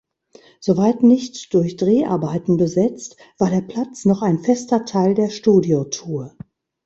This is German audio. Soweit nicht durch Dreharbeiten besetzt, war der Platz noch ein fester Teil der "Studio-Tour".